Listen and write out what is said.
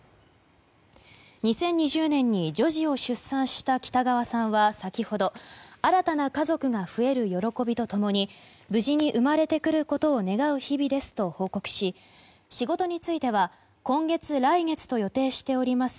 ２０２０年に女児を出産した北川さんは先ほど新たな家族が増える喜びと共に無事に生まれてくることを願う日々ですと報告し仕事については今月、来月と予定しております